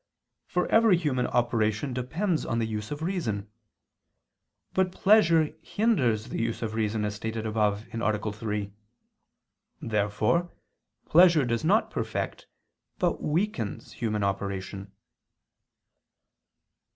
For every human operation depends on the use of reason. But pleasure hinders the use of reason, as stated above (A. 3). Therefore pleasure does not perfect, but weakens human operation.